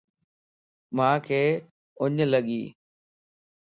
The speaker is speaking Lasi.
مانک اڃ لڳي